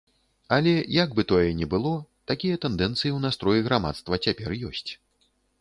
Але як бы тое ні было, такія тэндэнцыі ў настроі грамадства цяпер ёсць.